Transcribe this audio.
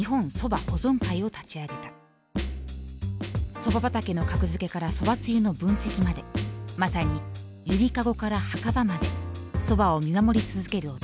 蕎麦畑の格付けから蕎麦つゆの分析までまさにゆりかごから墓場まで蕎麦を見守り続ける男。